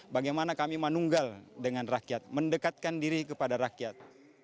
bagaimana kami menunggal dengan rakyat mendekatkan diri kepada rakyat